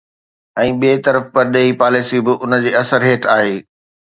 ۽ ٻئي طرف پرڏيهي پاليسي به ان جي اثر هيٺ آهي.